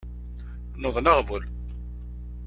Nuḍen aɣbel.